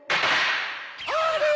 あれ！